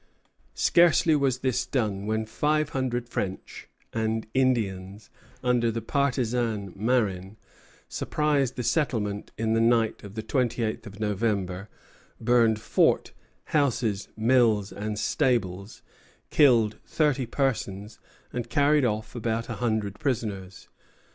] Scarcely was this done when five hundred French and, Indians, under the partisan Marin, surprised the settlement in the night of the 28th of November, burned fort, houses, mills, and stables, killed thirty persons, and carried off about a hundred prisoners.